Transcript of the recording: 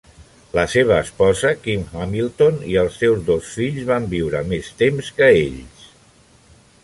La seva esposa, Kim Hamilton, i els seus dos fills van viure més temps que ells.